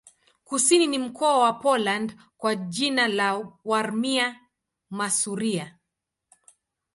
Kusini ni mkoa wa Poland kwa jina la Warmia-Masuria.